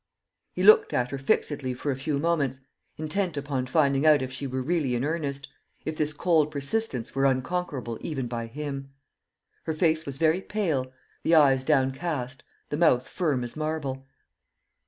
He looked at her fixedly for a few moments, intent upon finding out if she were really in earnest, if this cold persistence were unconquerable even by him. Her face was very pale, the eyes downcast, the mouth firm as marble.